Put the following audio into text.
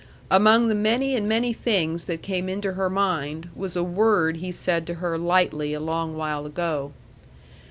Among the many and many things that came into her mind was a word he said to her lightly a long while ago.